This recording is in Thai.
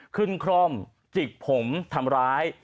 คร่อมจิกผมทำร้าย